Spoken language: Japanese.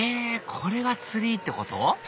これがツリーってこと？